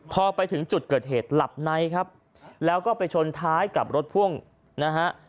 พอไปถึงจุดเกิดเหตุหลับในครับแล้วก็ไปชนท้ายกับรถพ่วงนะฮะ